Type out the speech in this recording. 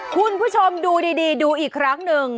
คุณผู้ชมดูดีดูอีกครั้งหนึ่ง